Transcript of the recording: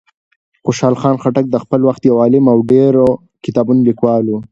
خوشحال خان خټک د خپل وخت یو عالم او د ډېرو کتابونو لیکوال و.